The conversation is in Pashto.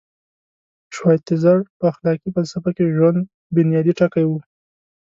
شوایتزر په اخلاقي فلسفه کې ژوند بنیادي ټکی و.